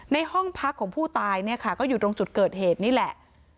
ในห้องพักของผู้ตายเนี่ยค่ะก็อยู่ตรงจุดเกิดเหตุนี่แหละ